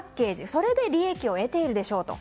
それで利益を得ているでしょうと。